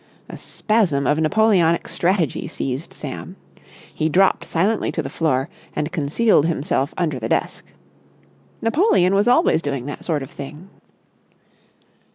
A spasm of Napoleonic strategy seized Sam. He dropped silently to the floor and concealed himself under the desk. Napoleon was always doing that sort of thing.